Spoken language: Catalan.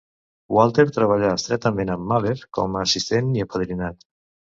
Walter treballà estretament amb Mahler, com a assistent i apadrinat.